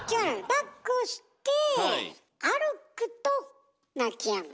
だっこして歩くと泣きやむ。